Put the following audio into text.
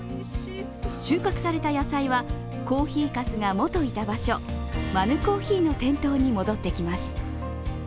収穫された野菜はコーヒーかすが元いた場所マヌコーヒーの店頭に戻ってきます。